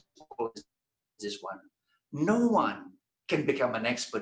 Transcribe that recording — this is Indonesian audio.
tidak ada siapa yang bisa menjadi seorang ekspert